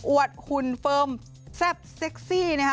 อวดหุ่นเฟิร์มแซ่บเซ็กซี่